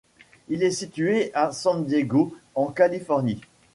Il est situé à San Diego en Californie.